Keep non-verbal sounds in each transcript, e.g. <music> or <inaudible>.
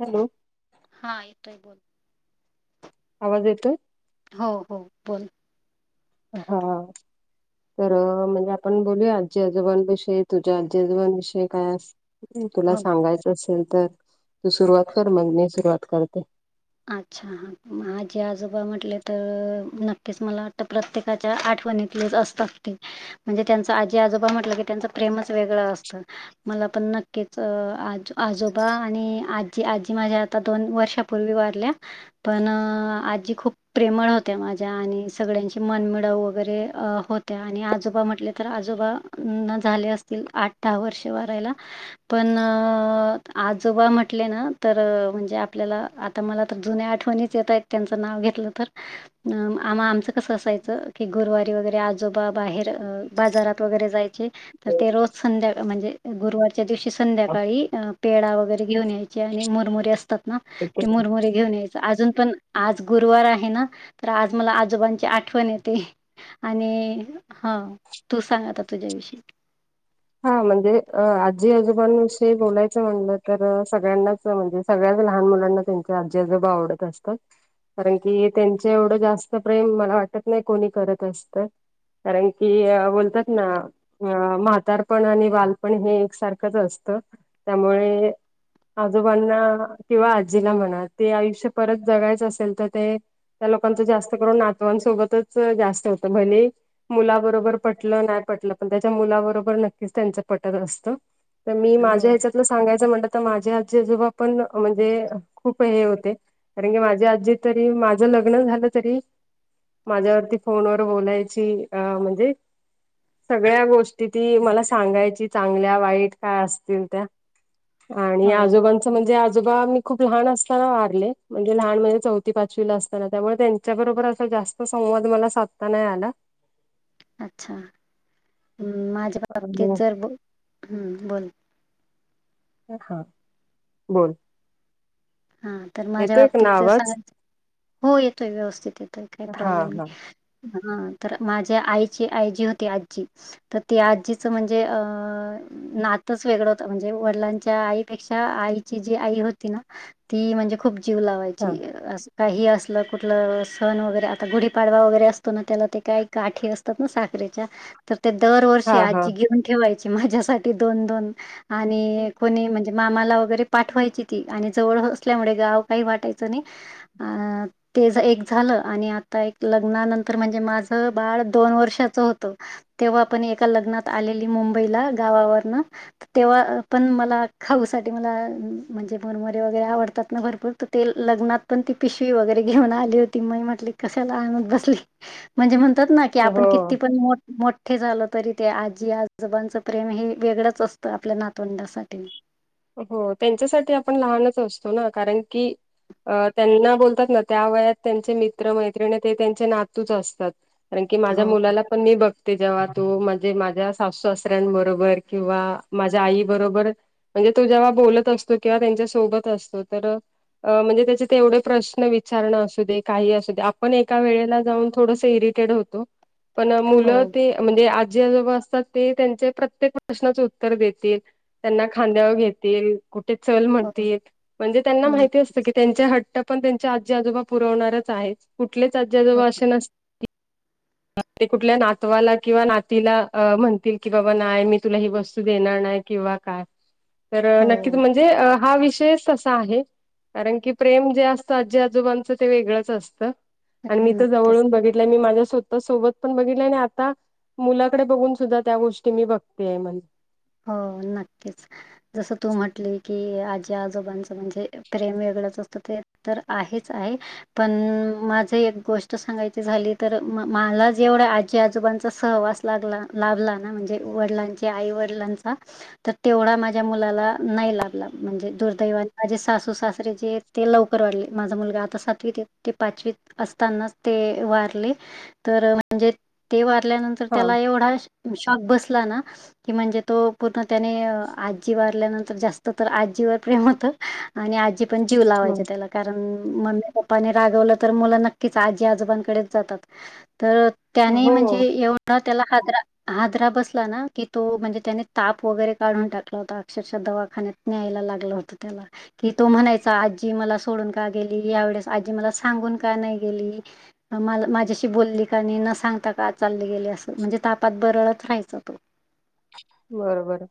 Hello हा येतय बोलत आवाज येत. हो हो बोल हा तर म्हणजे आपण बोलूया आजी आजोबांविषयी तुझ्या आजी आजोबांविषयी काय अस. तुला हो सांगायचं असेल तर तू सुरुवात कर मग मी सुरुवात करते. अच्छा हां माझे आजोबा म्हटले तर नक्कीच मला वाटतं प्रत्येकाच्या आठवणीतलेच असतात ते. म्हणजे त्यांचं आजी आजोबा म्हटलं की त्यांचं प्रेमच वेगळं असतं. मला पण नक्कीच आज आजोबा आणि आजी आजी माझ्या आता दोन वर्षापूर्वी वा <unintelligible> पण आजी खूप प्रेमळ होत्या माझ्या आणि सगळ्यांची मनमिळव वगैरे हो. त्या आणि आजोबा म्हटले तर आजोबा झाले असतील आठ दहा वर्षे वारायला. पण आजोबा म्हटले ना तर म्हणजे आपल्याला तर मला तर जुन्या आठवणीच येत आहेत त्यांचं नाव घेतलं तर. अ आम्हा आमचं कसं असायचं की गुरुवारी वगैरे आजोबा बाहेर बाजारात वगैरे जायचे. तर ते रोज संध्याका म्हणजे गुरुवारच्या दिवशी संध्याकाळी अ पेडा वगैरे घेऊन यायचे आणि मुरमुरी असतात ना ते मुरमुरी घेऊन यायचे. अजून पण आज गुरुवार आहे ना तर आज मला आजोबांची आठवण येते. आणि हा तू सांग आ तुझ्याविषयी हा म्हणजे आजी आजोबांविषयी बोलायचं म्हणलं तर सगळ्यांना म्हणजे सगळ्याच लहान मुलांना त्यांच्या आजी आजोब आवडत असतात. कारण की त्यांच्या एवढं जास्त प्रेम मला वाटत नाही कोणी करत असत. कारण की बोलतात ना अ म्हातार पण आणि बालपण हे एकसारखंच असतं त्यामुळे आजोबांना किंवा आजीला म्हणा. ते आयुष्य परत जगायचं असेल तर ते त्या लोकांचं जास्त करून नातवांसोबतच जास्त होत भले मुलाबरोबर पटलं नाही पटलं. पण त्याच्या मुलाबरोबर नक्की च त्यांच पटत असत. तर मी हो, माझ्या ह्याच्यातल सांगायचं म्हटलं तर माझे आजी आजोबा पण म्हणजे खूप हे होते. कारण की माझी आजी तरी माझं लग्न झालं तरी. माझ्यावरती फोनवर बोलायची अ म्हणजे सगळ्या गोष्टी ती मला सांगायची. चांगल्या वाईट काय असतील त्या आणि हो. आजोबा म्हणजे आजोबा मी खूप लहान असताना वारले. म्हणजे लहान म्हणजे चौथी पाचवीला असताना त्यामुळे त्याच्याबरोबर असा जास्त संवाद मला साधता नाही आला. अच्छा, माझ्या बाबतीत आणि जर ब हम् बोल. हा बोल. हा तर माझ्या येतोय का बाबतीत ना तर आवाज सांगायच. हो येतोय व्यवस्थित येतोय काही हा प्रॉब्लेम हा नाही. हा तर माझ्या आईची आई जी होती आजीच तर ती आजीचं म्हणजे अ. नातच वेगळं होत. म्हणजे वडिलांच्या आईपेक्षा आईची जी आई होती ना. ती म्हणजे खूप जीव हा लावायची अस. काही असलं कुठलं सण वगैरे. आता गुढीपाडवा वगैरे असतो ना त्याला ते काही गाठी अस तात ना साखरेच्या. तर ते दरवर्षी हा हा आजी घेऊन ठेवायची. माझ्यासाठी दोन दोन आणि कोणी म्हणजे मामाला वगैरे पाठवायची ती आणि जवळ असल्यामुळे गाव काही वाटायचं नाही. अ ते एक झालं आणि आता एक लग्नानंतर म्हणजे माझ बाळ दोन वर्षाचं होतं. तेव्हा पण एका लग्नात आलेली मुंबईला गावावरन तेव्हा पण मला खाऊसाठी मला म्हणजे मुरमुरे वगैरे आवडत. त्यातन भरपूर तुटेल ते लग्नात पण ती पिशवी वगैरे घेऊन आली होती. मगं म्हटले कशाला आणत बसली. म्हणजे म्हणतात ना की आपण हो किती पण मोठं मोठे झालं तरी ते आजी आजोबांचं प्रेम हे वेगळंच असतं आपल्या नातवंडासाठी. हो त्यांच्यासाठी आपण लहानच असतो ना कारण की अ त्यांना बोलतात ना त्या वयात त्यांचे मित्र मैत्रिणी ते त्यांचे नातूच असतात. कारण की माझ्या हो, मुलाला पण मी बघते. जेव्हा तो म्हणजे माझ्या सासू सासऱ्यांबरोबर किंवा माझ्या आई बरोबर म्हणजे तो जेव्हा बोलत असतो किंवा त्यांच्या सोबत असतो तर अ म्हणजे त्याचे तेवढे प्रश्न विचारणं असू दे काही असू दे आपण एका वेळेला जाऊन. थोडस इरिटेड होतो पण मुलं हो, ते म्हणजे आजी आजोबा असतात. ते त्यांचे प्रत्येक प्रश्नाचे उत्तर देतील त्यांना खांद्यावर घेतील. कुठे चल हो, म्हणतील. म्हणजे त्यांना न माहिती अस त की त्यांचे हट्ट पण त्यांच्या आजी आजोबा पुरवणारच आहेत. कुठलेच आजी आजोबा असे नस <unintelligible> तात. ते कुठल्या नातवाला किंवा नातीला म्हणतील की बाबा नाही मी तुला ही वस्तू देणार नाही. किंवा काय तर हो, नक्कीच म्हणजे अ हा विषयच तसा आहे. कारण की प्रेम जे असतं आजी आजोबांचं ते वेगळंच असतं. आणि मी तर नक्कीच. जवळून बघितलं मी माझ्या सु सोबत पण बघितलेय आणि आता मुलाकडे बघून सुद्धा त्या गोष्टी मी बघतेय म्हण. हो, नक्कीच जस तू म्हटली की आजी आजोबांच म्हणजे प्रेम वेगळंच असतं ते तर आहेच आहे. पण माझ एक गोष्ट सांगायची झाली. तर मला एवढ्या आजी आजोबांचा सहवास लागला. लाभला ना म्हणजे वडिलांचे आई वडिलांचा तर तेवढा माझ्या मुलाला नाही लागला. म्हणजे दुर्दैवाने माझे सासू सासरे जे ते लवकर वारले. माझा मुलगा आता सातवीत आहे. ते पाचवीत असतानाच ते वारले. तर म्हणजे ते वारल्यानंतर हा त्याला एवढा शॉक बसला ना की, म्हणजे तो पूर्ण त्याने आजी वारल्यानंतर जास्त तर, आजीवर प्रेम होत आणि आजी आजीपण जीव लावायची त्याला कारण मम्मी पप्पाने रागवलं तर, मुलं नक्कीच आजी आजोबांकडेच जातात. तर त्याने हो म्हणजे एवढा त्याला हादरा हादरा बसला ना, की तो म्हणजे त्याने ताप वगैरे काढून टाकला होता, अक्षरशः दवाखान्यात न्यायला लागलं होत त्याला कि तो म्हणायचा, आजी मला सोडून का गेली? यावेेळेस आजी मला सांगून का नाही गेली? मला माझ्याशी बोलली का नाही? न सांगता का चालली गेली? असं म्हणजे तापात बरळत राहायचं तो बरोबर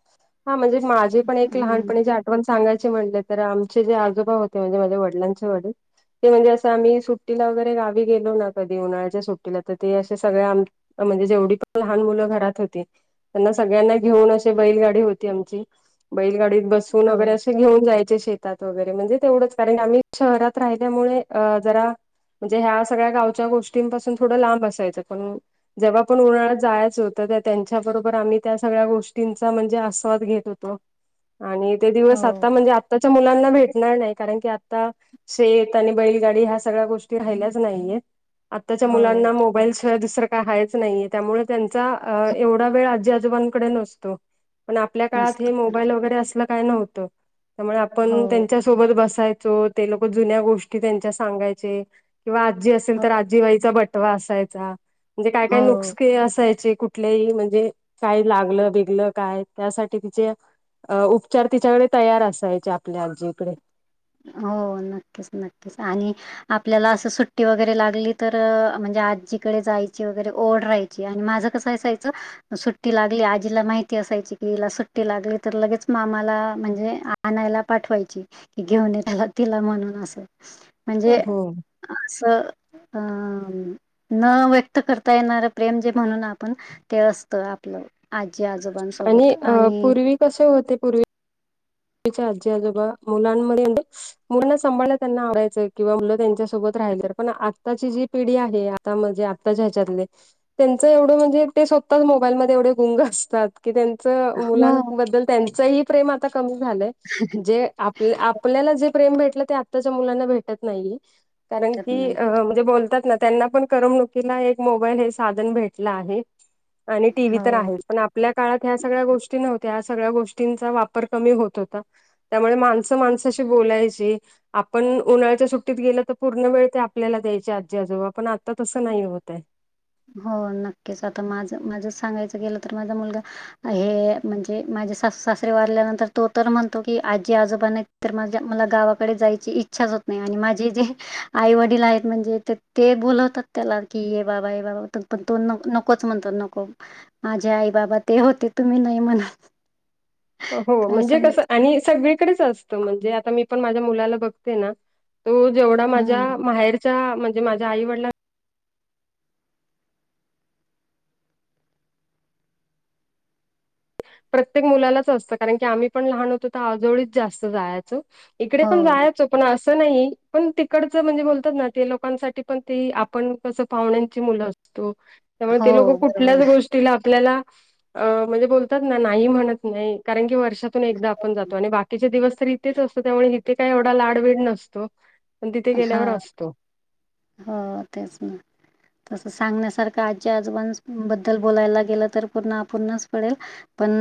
हा म्हणजे माझी पण एक हं. लहानपणीची आठवण पण सांगायचे म्हटल तर, आमचे जे आजोबा होते म्हणजे माझे वडिलांचे वडील ते म्हणजे असं आम्ही सुट्टीला वगैरे गावी गेलो ना, कधी उन्हाळ्याच्या सुट्टीला, तर ते असे सगळे आम्ही म्हणजे जेवढी पण लहान मुलं घरात होती त्यांना सगळ्यांना घेऊन अशे बैलगाडी होती आमची, बैलगाडीत बसून वगैरे हो असे घेऊन जायचे शेत जात वगेरे म्हणजे तेवढंच कारण, आम्ही शहरात राहिल्यामुळे जरा म्हणजे ह्या सगळ्या गावच्या गोष्टींपासून थोडं लांब असायचं पण अ जेव्हा पण उन्हाळ्यात जायचं होतं त्यांच्याबरोबर आम्ही त्या सगळ्या गोष्टींचा म्हणजे आस्वाद घेत होतो आणि ते हो दिवस आता म्हणजे आता ते च्या मुलांना भेटणार नाही कारण की आता शेत आणि बैलगाडी ह्या सगळ्या गोष्टी राहिल्याच नाहीयेत. आत्ताच्या हो मुलांना मोबाईलशिवाय दुसरं काय हायच नाहीये, त्यामुळे त्यांचा एवढा वेळ आजी आजोबांकडे नसतो, पण आपल्या काळात मस्त हे कर. मोबाईल वगैरे असलं काय नव्हतं. त्यामुळे हो आपण त्यांच्या सोबत बसायचो, ते लोक जुन्या गोष्टी त्यांच्या सांगायचे. किंवा आजी असेल हो तर, आजीबाईचा बटवा असायचा, म्हणजे काय काय हो नुस्के असायचे कुट कुठलेही म्हणजे काय लागलं बीगल काय त्यासाठी तिचे अ उपचार तिच्याकडे तयार असायचे आपल्या आजीकडे हो नक्कीच, नक्कीच आणि आपल्याला असं सुट्टी वगैरे लागली, तर अ म्हणजे आजीकडे जायची वगैरे ओढ राहाय ची आणि माझं कसं असायचं? सुट्टी लागली आजीला माहिती असायची, की हिला सुट्टी लागली तर लगेच मामाला म्हणजे आ आणायला पाठवायची कि, घेऊन ये त्याला तिला म्हणून आस म्हणजे हो. आसं अ. न व्यक्त करता येणारं प्रेम, जे म्हणून आपण ते असतं आपलं. आजी आजोबांसोबत आणि कसे होते पूर्वी चे आजी- आजोबा मुलांमध्ये मिक्स मुल सांभाळायला त्यांना आवडायचं किंवा मुलं त्यांच्यासोबत राहायची, पण आताची जी पिढी आहे आता म्हणजे आताच्या ह्याच्यातले, त्यांच एवढं म्हणजे ते स्वताच मोबाईलमध्ये एवढे गुंग असतात. कि त्यांच हो. मुलांबद्दल त्यांचही प्रेम आता कमी झालंय, जे आपल्या आपल्याला जे प्रेम भेटल, ते आताच्या मुलांना भेटत नाहीए कारण, शकत की नाही. म्हणजे बोलतात ना त्यांना पण करमनुकीला एक मोबाईल हे साधन, भेटल आहे आणि टी व्ही तर हो, आहेच पण आपल्या काळात ह्या सगळ्या गोष्टी नव्हत्या, ह्या सगळ्या गोष्टींचा वापर कमी होत होता. त्यामुळे माणसं माणसाशी बोलायची. आपण उन्हाळ्याच्या सुट्टीत गेल तर, पूर्ण वेळ ते आपल्याला द्यायचे आजी आजोबा, पण आता तसं नाही होतय. हो नक्कीच आता माझ माझ सांगायचं गेलं तर, माझा मुलगा आहे म्हणजे माझे सासू सासरे वाारल्यानंतर तो तर, म्हणतो की, आजी आजोबा नाहित. तर माझ्या मला गावाकडे जायची इच्छाच होत नाही आणि माझे जे आई वडील आहेत म्हणजे ते ते बोलवतात त्याला की, ये बाबा ये बाबा पण तो न नकोच म्हणतो नको माझे आई बाबा ते होते, तुम्ही नाही म्हणाला हो म्हणजे कसं आणि सगळीकडेच असतं, म्हणजे आता मी पण माझ्या मुलाला बघते ना. तो जेवढा माझ्या हं. माहेरच्या म्हणजे माझ्या आई वडलांना प्रत्येक मुलालाच असतं कारण की आम्ही पण लहान होतो तर आजवळीच जास्त जायचं इकडे हो, पण जायच. पण असं नाही पण तिकडचं म्हणजे बोलतात ना ते लोकांसाठी पण ती आपण कसं पाहुण्यांची मुलं असत. त्यामुळे ते लोक हो कुठल्याच बरोबर. गोष्टी ल्या म्हणज बणत नाही ात एकदा आपण जातो आणि बाकीचे दिवस तर इथेच असतो त्यामुळे इथे काय एवढा लाड वड नसतो. पण तिथे गेल्यावर हां, असतो हो तेच ना तसं सांगण्यासारखं आजी आजोबां बद्दल बोलायला गेलं तर पुूर्ण पुूर्णच पडेल पण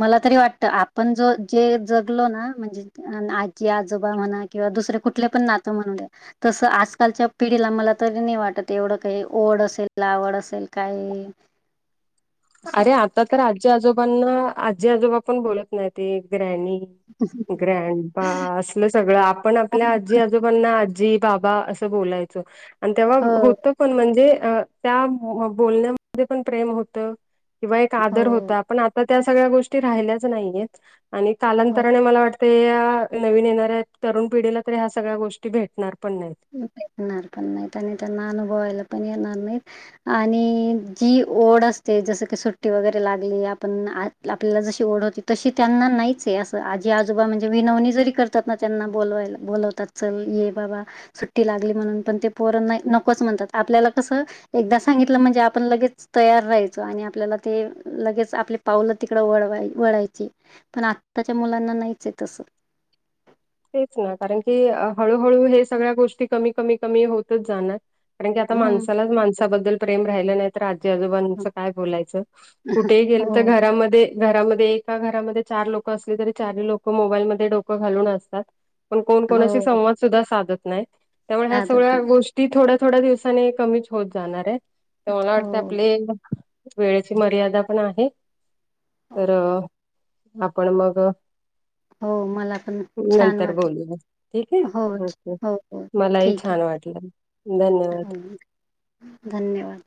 मला तरी वाटत आपण जो जे जगलो ना म्हणजे आजी आजोबा म्हणा किंवा दुसरे कुठले पण नातं म्हणले तसं आजकालच्या पिढीला मला तरी नाही वाटत एवढं काही ओढ असेल लावड असेल काही <inaudible> अरे आता तर आजी आजोबांना आजी आजोबा पण बोलत नाही ते ग्रॅणी ककरा असलं सगळं आपण हो आपल्या आजी आजोबांना आजी बाबा असं बोलायचो आणि तेव्हा हो होतं पण म्हणजे त्या बोलण्यामध्ये पण प्रेम होतं किंवा एक आदर होता पण आता त्या सगळ्या गोष्टी राहिल्याच नाहीयेत आणि हो. कालांतराने मला वाट. ते नवीन येणाऱ्या तरुण पिढीला तरी ह्या सगळ्या गोष्टी भेटणार पण नाहीत. प येतना व बॉयल पत आणि जी ओढ असते जसं की सुट्टी वगैरे लागली आपण आ आपल्याला जशी ओढ होती तशी त्यांना नाहीच असं आजी आजोबा म्हणजे विनवणी जरी कर त्यांना बोलवायला बोलवतात चल ये बाबा सुट्टी लागली म्हणून पण ते पोरण नाही नकोच म्हणतात आपल्याला कसं एकदा सांगितलं म्हणजे आपण लगेच तयार राहायचो आणि आपल्याला ते लगेच आपली पावल तिकड वळवाय वळायची. पण आत्ताच्या मुलांना नाहीच आहे तसं तेच ना कारण की हळूहळू हे सगळ्या गोष्टी कमी कमी कमी होतच जाणार. कारण की आता हम्म. माणसालाच माणसाबद्दल प्रेम राहिलं नाही. राजे आजोबांच काय बोलायचं कुठेही गेलं हो, तर घरामध्ये घरामध्ये एका घरामध्ये चार लोक असले तरी चार लोक मोबाईलमध्ये डोकं घालून असतात. पण कोण कोणाशी हो संवाद सुद्धा साधत नाही त्यामुळे ह्या साधत सगळ्या नाही. गोष्टी ती थोड्या थोड्या दिवसानी कमीच होत जाणार आहे तर मला वाटतं हो. आपले वेळेची मर्यादा पण आहे हो. तर आपण मग हो मला पण छान नंतर वाटलं बोलूया ठीक हो आहे ओके हो हो मलाही ठीक आहे छान वाटलं धन्यवाद हो धन्यवाद